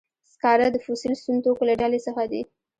سکاره د فوسیل سون توکو له ډلې څخه دي.